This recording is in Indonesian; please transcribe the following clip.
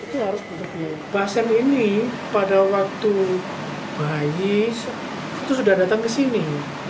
bahas ini pada waktu bayi itu sudah datang ke sini